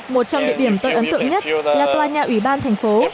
một trong địa điểm tôi ấn tượng nhất là tòa nhà ủy ban thành phố